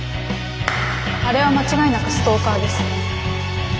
あれは間違いなくストーカーです。